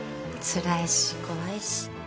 つらいし怖いし。